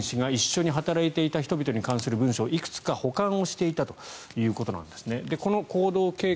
プリゴジン氏が一緒に働いていた人々に関する文書をいくつか保管していたということなんですね。